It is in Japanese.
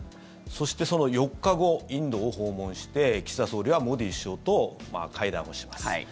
そして、その４日後インドを訪問して岸田総理はモディ首相と会談をします。